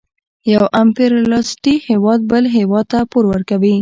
یو امپریالیستي هېواد بل هېواد ته پور ورکوي